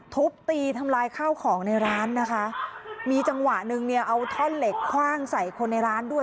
ทุบตีทำลายข้าวของในร้านนะคะมีจังหวะหนึ่งเนี่ยเอาท่อนเหล็กคว่างใส่คนในร้านด้วย